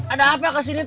ada apa kesini